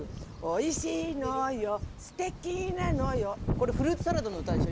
これフルーツサラダの歌でしょ？